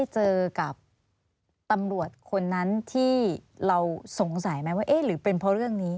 เจอกับตำรวจคนนั้นที่เราสงสัยไหมว่าเอ๊ะหรือเป็นเพราะเรื่องนี้